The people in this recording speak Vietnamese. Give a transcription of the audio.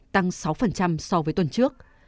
tăng sáu so với tuần trước